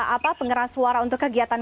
apa pengeras suara untuk kegiatan